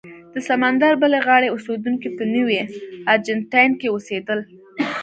د سمندر بلې غاړې اوسېدونکي په نوي ارجنټاین کې اوسېدل.